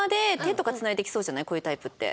こういうタイプって。